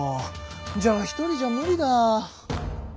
じゃあ１人じゃ無理だ。